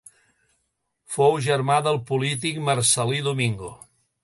Fou germà del polític Marcel·lí Domingo.